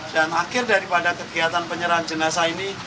dan akhir daripada kegiatan penyerahan jenazah ini